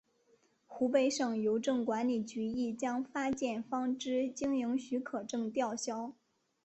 湖北省邮政管理局亦将发件方之经营许可证吊销。